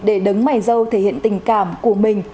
để đấng mày dâu thể hiện tình cảm của mình